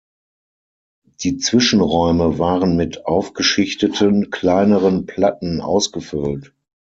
Die Zwischenräume waren mit aufgeschichteten, kleineren Platten ausgefüllt.